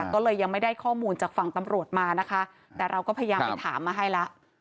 ก็เลยยังไม่ได้ข้อมูลจากฝั่งตำรวจมานะคะแต่เราก็พยายามไปถามมาให้แล้ว